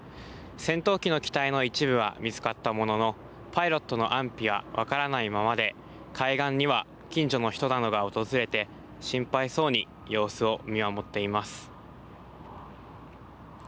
戦闘機の機体の一部は見つかったもののパイロットの安否は分からないままで海岸には近所の人などが訪れて心配そうに様子を見守っています。